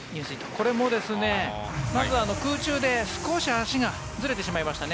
これもまず空中で足がずれてしまいたね。